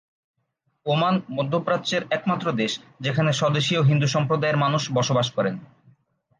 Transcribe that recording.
Oman মধ্যপ্রাচ্যের একমাত্র দেশ যেখানে স্বদেশীয় হিন্দু সম্প্রদায়ের মানুষ বসবাস করেন।